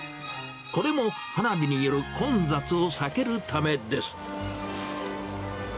これも花火による混雑を避けるためです。